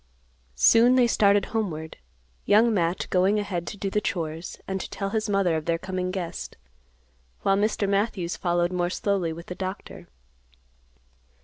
Soon they started homeward, Young Matt going ahead to do the chores, and to tell his mother of their coming guest, while Mr. Matthews followed more slowly with the doctor.